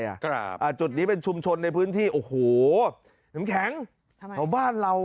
ครับอ่าจุดนี้เป็นชุมชนในพื้นที่โอ้โหแถมแข็งทำไมของบ้านเราอ่ะ